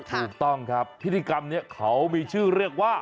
ถูกต้องครับพิธีกรรมนี้เขามีชื่อเรียกว่า